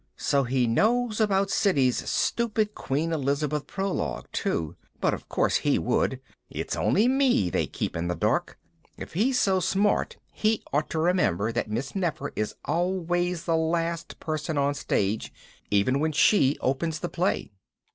_So he knows about Siddy's stupid Queen Elizabeth prologue too. But of course he would. It's only me they keep in the dark. If he's so smart he ought to remember that Miss Nefer is always the last person on stage, even when she opens the play.